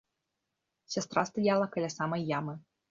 Сястра стаяла каля самай ямы.